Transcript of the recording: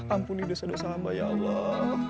ampuni dosa dosa hamba ya allah